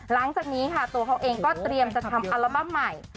หลังจากนี้ค่ะตัวเขาเองก็เตรียมจะทำอัลบั้มใหม่